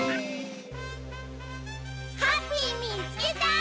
ハッピーみつけた！